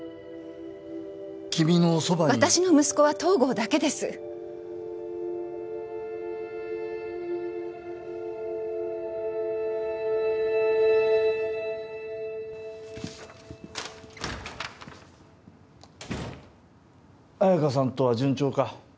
君のそばに私の息子は東郷だけです綾華さんとは順調か？